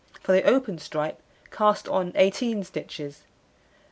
For the open stripe cast on 18 stitches.